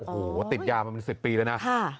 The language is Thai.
โอ้โหติดยามาเป็น๑๐ปีแล้วนะ